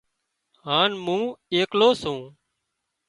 هانَ مُون ايڪلو سُون